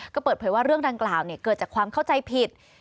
ก็เปิดเผยว่าเรื่องดังกล่าวเกิดจากความเข้าใจผิด